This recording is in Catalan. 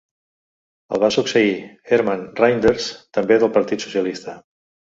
El va succeir Herman Reynders, també del partit socialista.